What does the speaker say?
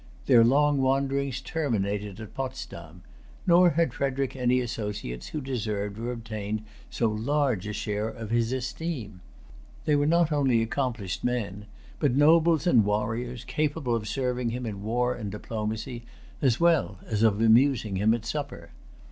Their long wanderings terminated at Potsdam; nor had Frederic any associates who deserved or obtained so large a share of his esteem. They were not only accomplished men, but nobles and warriors, capable of serving him in war and diplomacy, as well as of amusing him at supper.